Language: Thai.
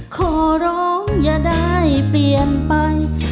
ขอร้องอย่าได้เปลี่ยนไป